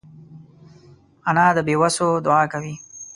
انا د بېوسو دعا کوي